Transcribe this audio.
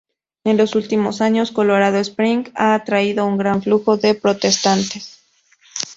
En los últimos años, Colorado Springs ha atraído un gran flujo de protestantes.